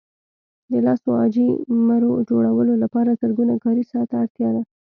د لسو عاجي مرو جوړولو لپاره زرګونه کاري ساعته اړتیا ده.